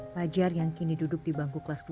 fajar yang kini duduk di bangku kelas dua